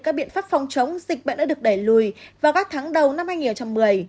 các biện pháp phòng chống dịch bệnh đã được đẩy lùi vào các tháng đầu năm hai nghìn một mươi